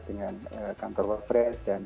dengan kantor wafat dengan kota